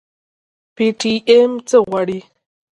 پي ټي ايم څه غواړي؟